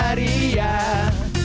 hari ini hari yang bahagia